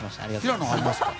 平野はありますか？